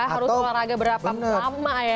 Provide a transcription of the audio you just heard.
harus olahraga berapa lama ya